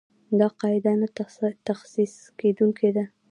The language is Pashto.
دا قاعده نه تخصیص کېدونکې ده.